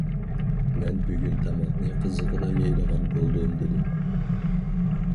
مەن:« بۈگۈن تاماقنى قىزىقىدا يەيدىغان بولدۇم» دېدىم.